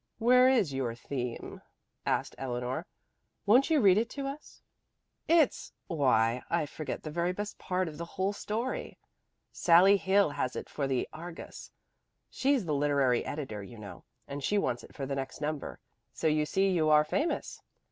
"Where is the theme?" asked Eleanor. "Won't you read it to us?" "It's why, I forgot the very best part of the whole story. Sallie Hill has it for the 'Argus.' She's the literary editor, you know, and she wants it for the next number. So you see you are famous.